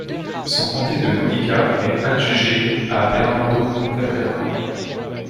Son comté de Modica est adjugé à Bernardo Cabrera.